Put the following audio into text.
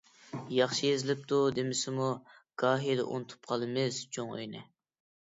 ياخشى يېزىلىپتۇ. دېمىسىمۇ گاھىدا ئۇنتۇپ قالىمىز چوڭ ئۆينى.